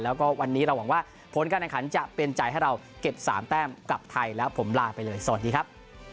แล้วก็วันนี้เราหวังว่าผลการแข่งขันจะเป็นใจให้เราเก็บ๓แต้มกลับไทยแล้วผมลาไปเลยสวัสดีครับ